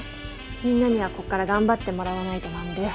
みんなにはこっから頑張ってもらわないとなんで。